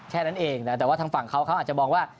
แค่นั้นเองนะแต่ทางฝั่งเขาคงจะบอกว่า